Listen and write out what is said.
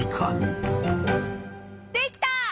できた！